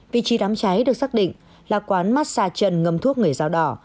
vị trí đám cháy được xác định là quán massage trần ngâm thuốc người dao đỏ